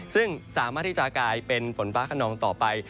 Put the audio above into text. ซึ่งสามารถที่จะกลายเป็นฝนฟ้าขนองต่อไป